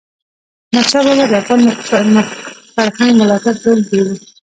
احمدشاه بابا د افغان فرهنګ ملاتړ کوونکی و.